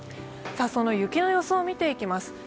その雪の予想を見ていきます。